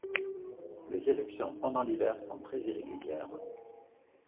Les éruptions pendant l'hiver sont très irrégulières.